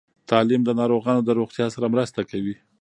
تعلیم د ناروغانو د روغتیا سره مرسته کوي.